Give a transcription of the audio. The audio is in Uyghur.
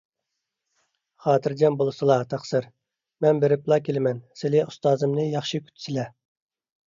خاتىرجەم بولسىلا، تەقسىر. مەن بېرىپلا كېلىمەن، سىلى ئۇستازىمنى ياخشى كۈتسىلە.